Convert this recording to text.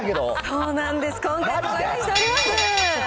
そうなんです、今回もご用意しております。